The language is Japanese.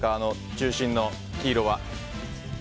中心の黄色は。